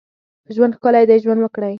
ژوند ښکلی دی ، ژوند وکړئ